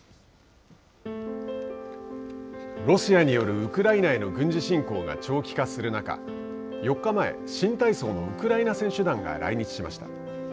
ロシアによるウクライナへの軍事侵攻が長期化する中４日前、新体操のウクライナ選手団が来日しました。